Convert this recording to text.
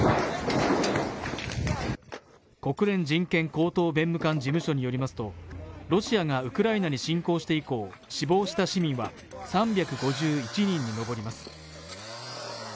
国連人権高等弁務官事務所によりますと、ロシアがウクライナに侵攻して以降、死亡した市民は３５１人に上ります。